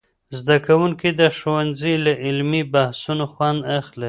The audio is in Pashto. زدهکوونکي د ښوونځي له علمي بحثونو خوند اخلي.